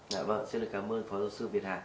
dạ vâng xin cảm ơn phó giáo sư việt hà